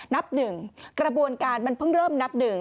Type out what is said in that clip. นับ๑กระบวนการมันเพิ่งเริ่มนับหนึ่ง